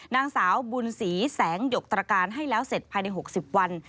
นางสาวบุญศรีแสงหยกตรการให้แล้วเสร็จภายใน๖๐วัน